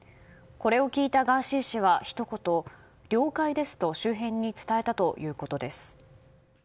これを聞いたガーシー氏はひと言了解ですと周辺に伝えたということです。